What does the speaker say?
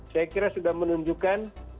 saya kira sudah menunjukkan